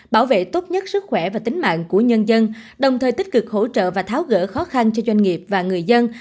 bảo vệ tốt nhất sức khỏe và tính mạng của nhân dân đồng thời tích cực hỗ trợ và tháo gỡ khó khăn cho doanh nghiệp và người dân